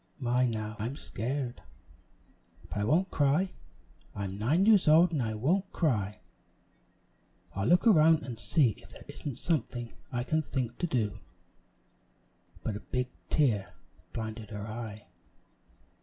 "My, now I am scared! but I won't cry! I'm nine years old, and I won't cry! I'll look around and see if there isn't something I can think to do," but a big tear blinded her eye.